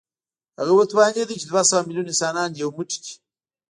هغه وتوانېد چې دوه سوه ميليونه انسانان يو موټی کړي.